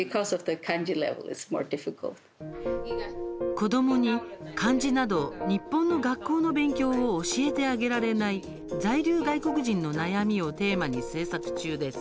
子どもに漢字など、日本の学校の勉強を教えてあげられない在留外国人の悩みをテーマに制作中です。